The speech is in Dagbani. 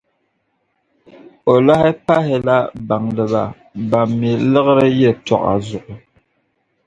O lahi pahila baŋdiba ban mi liɣiri yɛltɔɣa zuɣu.